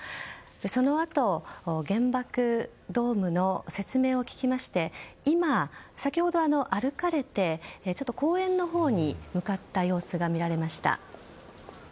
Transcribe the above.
そのあと、原爆ドームの説明を聞きまして今、先ほど歩かれてちょっと公園のほうに向かった様子が見られました。